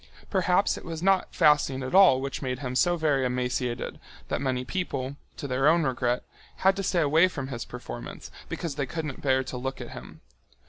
Perhaps it was not fasting at all which made him so very emaciated that many people, to their own regret, had to stay away from his performance, because they couldn't bear to look at him.